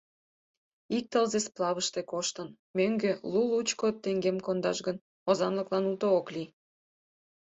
Ик тылзе сплавыште коштын, мӧҥгӧ лу-лучко теҥгем кондаш гын, озанлыклан уто ок лий...